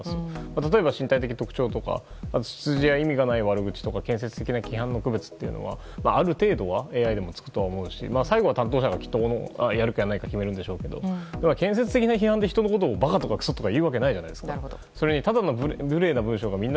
例えば、身体的特徴とか出自や意味ない悪口とかある程度はＡＩにもつくとは思うし最後は担当者がやるかやらないか決めるんでしょうけど建設的な批判で人のことをバカとかクソって言うわけないじゃないですか。